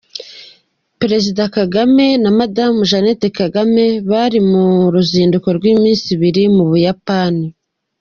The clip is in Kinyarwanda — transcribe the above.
Perezida Kagame na Madamu Jeannette Kagame bari mu ruzinduko rw’iminsi ibiri mu Buyapani.